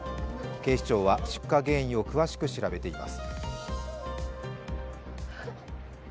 警視庁は出火原因を詳しく調べています。